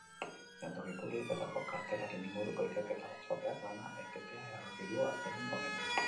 Jantoki publikoetako kartelaren inguruko ikerketa batzordeak lana etetea erabaki du astelehen honetan.